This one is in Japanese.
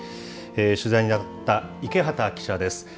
取材に当たった池端記者です。